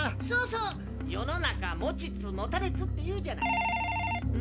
そうそう世の中持ちつ持たれつって言うじゃない。